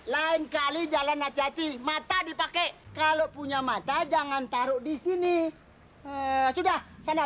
lain kali jalan hati hati mata dipakai kalau punya mata jangan taruh di sini sudah saya enggak